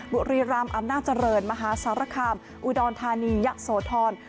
บุรีรำอำนาจเจริญมหาสารคามอุดรธานียะโสธร